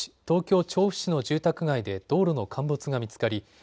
東京調布市の住宅街で道路の陥没が見つかり